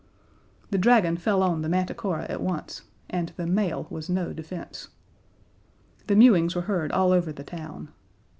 The Dragon fell on the Manticora at once, and the mail was no defense. The mewings were heard all over the town.